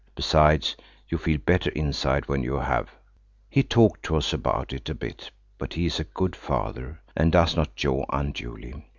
Besides, you feel better inside when you have. He talked to us about it a bit, but he is a good Father and does not jaw unduly.